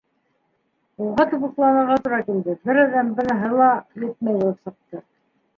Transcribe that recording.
Уға тубыҡланырға тура килде —бер аҙҙан быныһы ла етмәй булып сыҡты.